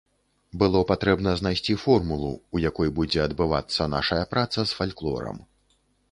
Было патрэбна знайсці формулу, у якой будзе адбывацца нашая праца з фальклорам.